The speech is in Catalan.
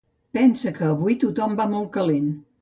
Pensa que avui tothom va molt calent.